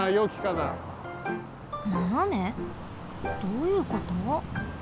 どういうこと？